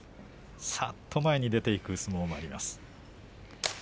さっと前に出ていく相撲もあります。